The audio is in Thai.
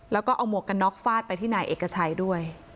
แล้วก็เอาหมวกกันน็อกฟาดไปที่นายเอกชัยด้วย